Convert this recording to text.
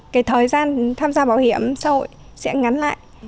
cái thời gian tham gia bảo hiểm xã hội sẽ ngắn lại